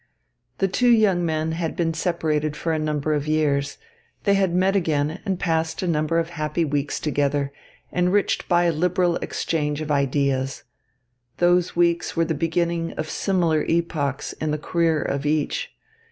The two young men had been separated for a number of years. They had met again and passed a number of happy weeks together, enriched by a liberal exchange of ideas. Those weeks were the beginning of similar epochs in the career of each.